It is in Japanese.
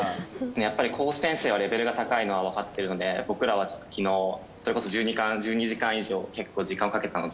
やっぱり高専生はレベルが高いのはわかってるので僕らは昨日それこそ１２時間以上結構時間をかけたので。